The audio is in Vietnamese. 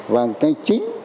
và cái chính